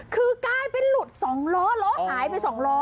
คือกลายเป็นหลุด๒ล้อล้อหายไป๒ล้อ